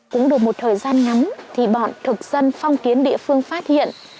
cũng được một thời gian ngắm thì bọn thực dân phong kiến địa phương phát hiện